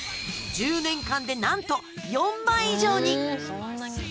１０年間で、なんと４倍以上に。